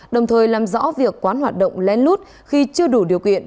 đồng thời làm rõ việc quán hoạt động lên lút khi chưa đủ điều kiện